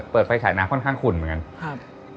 เปิดไฟฉายน้ำค่อนข้างขุ่นเหมือนกันครับ